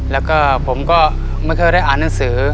แล้วก็ผมก็ไม่เคยได้อ่านหนังสือ